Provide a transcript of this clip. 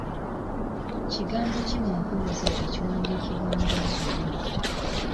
Kigambo ki mu nkuluze ekiwandiikibwa nga ensobi?